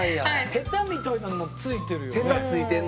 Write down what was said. ヘタみたいなのもついてる。